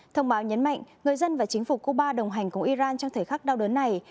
thông báo nhấn mạnh người dân và chính phủ cuba đồng hành cùng iran trong thời khắc đau đớn này